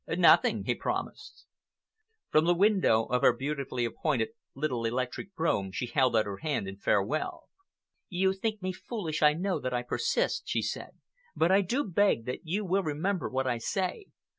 "Nothing," he promised her. From the window of her beautifully appointed little electric brougham she held out her hand in farewell. "You think me foolish, I know, that I persist," she said, "but I do beg that you will remember what I say.